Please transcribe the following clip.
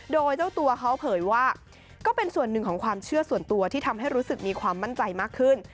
โดยเจ้าตัวเขาเผยว่าก็เป็นส่วนหนึ่งของความเชื่อส่วนตัวที่ทำให้รู้สึกมีความมั่นใจมากขึ้น